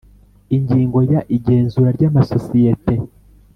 Ingingo ya igenzura ry amasosiyete